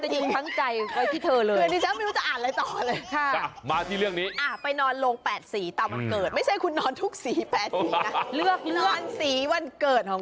อยู่ตรงนี้ก่อน